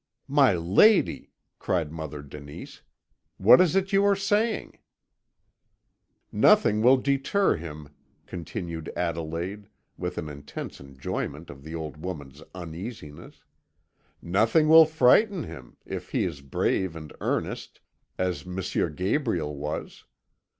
"My lady!" cried Mother Denise. "What is it you are saying?" "Nothing will deter him," continued Adelaide, with an intense enjoyment of the old woman's uneasiness, "nothing will frighten him, if he is brave and earnest, as M. Gabriel was.